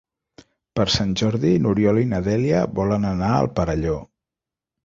Per Sant Jordi n'Oriol i na Dèlia volen anar al Perelló.